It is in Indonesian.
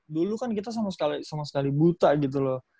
dulu kan kita sama sekali buta gitu loh